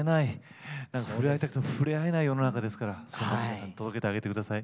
触れ合いたくても触れ合えない世の中ですからそんな皆さんに届けてあげてください。